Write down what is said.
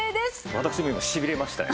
私も今しびれましたよ。